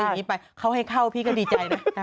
จะไม่ได้เขาให้เข้าพี่ก็ดีใจนะ